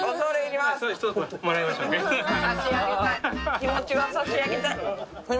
気持ちは差し上げたい。